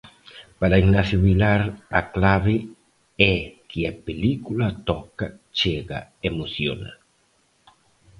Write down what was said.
Para Ignacio Vilar, a clave é que a película toca, chega, emociona.